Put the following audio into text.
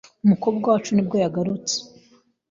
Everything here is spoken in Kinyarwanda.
umukobwa wacu nibwo yahagurutse